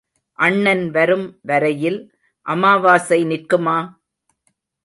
அண்ணன் வரும் வரையில் அமாவாசை நிற்குமா?